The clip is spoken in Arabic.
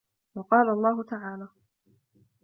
وَقَالَ اللَّهُ تَعَالَى